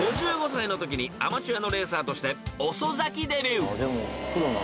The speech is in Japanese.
５５歳のときにアマチュアのレーサーとして遅咲きデビュー］